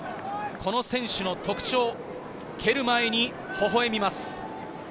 この選手の特徴、蹴る前にほほえみます。